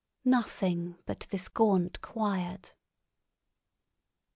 Nothing but this gaunt quiet.